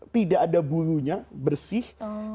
tidak ada bulunya bersih